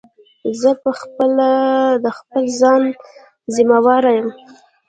زه په خپله د خپل ځان ضیموار یم.